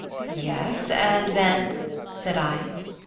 "Yes and then?" said I.